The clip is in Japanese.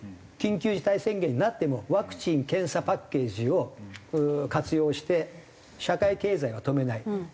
緊急事態宣言になってもワクチン・検査パッケージを活用して社会経済は止めない。